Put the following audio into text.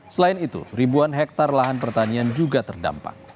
selain itu ribuan hektare lahan pertanian juga terdampak